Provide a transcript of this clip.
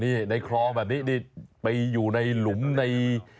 นี่ในคลองแบบนี้นี่ไปอยู่ในหลุมใน